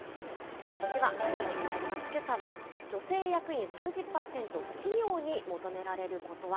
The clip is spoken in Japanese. ではＥｙｅｓｏｎにまいります、けさは、女性役員３０％、企業に求められることは？